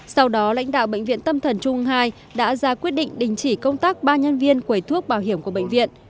sau đó lãnh đạo bệnh viện tâm thần trung ương ii đã ra quyết định đình chỉ công tác ba nhân viên quầy thuốc bảo hiểm của bệnh viện